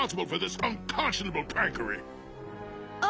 あ。